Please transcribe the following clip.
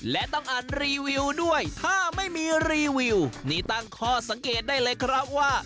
และต้องอ่านรีวิวด้วยถ้าไม่มีรีวิวนี่ตั้งข้อสังเกตได้เลยครับว่า